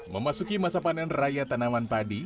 memasuki masa panen raya tanaman padi